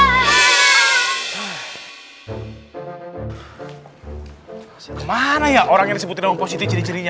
bagaimana ya orang yang disebutin sama positif ciri cirinya